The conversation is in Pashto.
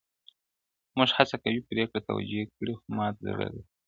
• مور هڅه کوي پرېکړه توجيه کړي خو مات زړه لري,